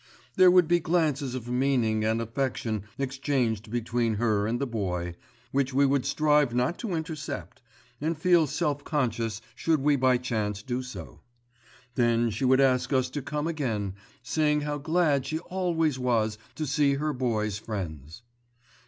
There would be glances of meaning and affection exchanged between her and the Boy, which we would strive not to intercept, and feel self conscious should we by chance do so. Then she would ask us to come again, saying how glad she always was to see her boy's friends.